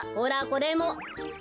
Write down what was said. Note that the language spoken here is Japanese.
これも！